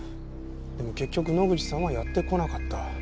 でも結局野口さんはやって来なかった。